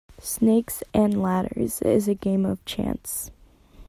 Snakes and ladders is a game of chance.